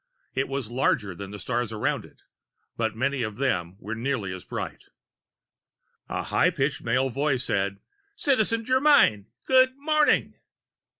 It was larger than the stars around it, but many of them were nearly as bright. A high pitched male voice said: "Citizen Germyn, good morning."